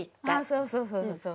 そうそうそうそう。